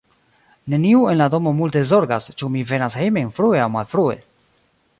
Neniu en la domo multe zorgas, ĉu mi venas hejmen frue aŭ malfrue.